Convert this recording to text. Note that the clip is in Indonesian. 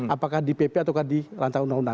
apakah di pp atau di rancang undang undang